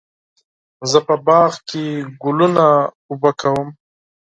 زه په باغ کې ګلونه اوبه کوم.